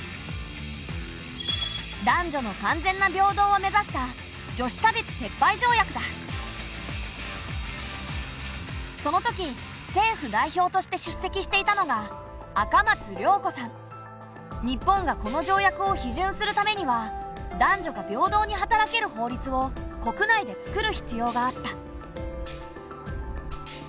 男女の完全な平等を目指したそのとき政府代表として出席していたのが日本がこの条約を批准するためには男女が平等に働ける法律を国内で作る必要があった。